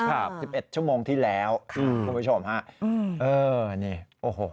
ครับคุณผู้ชมครับ๑๑ชั่วโมงที่แล้วคุณผู้ชมครับโอ้โฮ